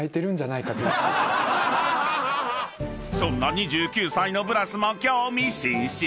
［そんな２９歳のブラスも興味津々⁉］